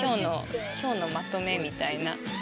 今日のまとめみたいな。